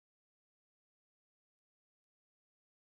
山内上杉家是室町时代在关东地方割据的上杉氏诸家之一。